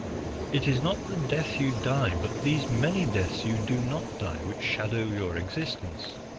It is not the death you die, but these many deaths you do not die, which shadow your existence.